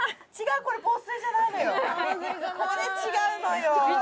これ違うのよ